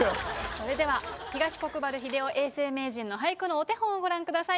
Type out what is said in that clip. それでは東国原英夫永世名人の俳句のお手本をご覧ください。